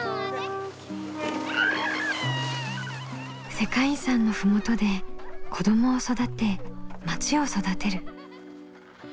世界遺産の麓で子どもを育てまちを育てる。